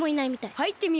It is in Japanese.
はいってみようか。